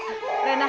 aku mau ke rumah